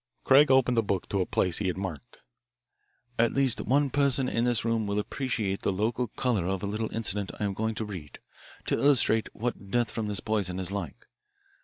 Craig opened a book to a place he had marked: "At least one person in this room will appreciate the local colour of a little incident I am going to read to illustrate what death from this poison is like.